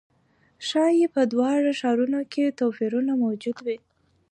ښايي په دواړو ښارونو کې توپیرونه موجود وي.